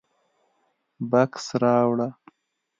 _بکس راوړه.